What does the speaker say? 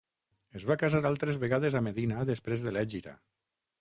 Es va casar altres vegades a Medina després de l'Hègira.